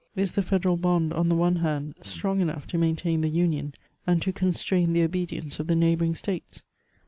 Is the federal bond, on the one hand, strong enough to maintain the union, and to constrain the obedience of the neighbouring states